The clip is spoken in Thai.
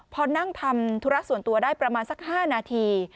พอนั่งทำธุระส่วนตัวได้ประมาณสัก๕นาที